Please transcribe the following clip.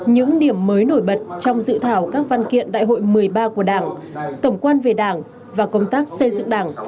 những điểm mới nổi bật trong dự thảo các văn kiện đại hội một mươi ba của đảng tổng quan về đảng và công tác xây dựng đảng